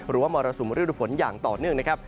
หรือว่ามรสุมรื่อดฝนอย่างต่อเนื่องนะครับ